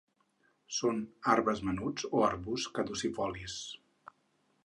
Són arbres menuts o arbusts caducifolis.